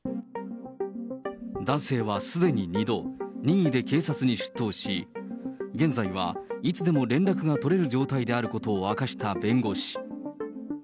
男性はすでに２度、任意で警察に出頭し、現在はいつでも連絡が取れる状態であることを明かした弁護士。